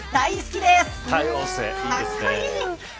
多様性、いいですね。